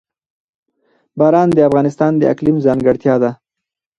باران د افغانستان د اقلیم ځانګړتیا ده.